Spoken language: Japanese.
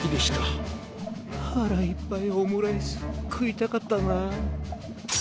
こころのこえはらいっぱいオムライスくいたかったな。